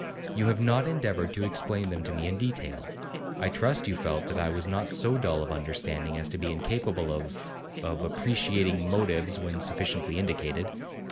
You have not endeavoured to explain them to me in detail; I trust you felt that I was not so dull of understanding as to be incapable of of appreciating motives when sufficiently indicated.